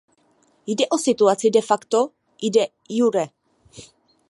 Jde o situaci de facto i de iure.